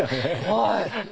はい。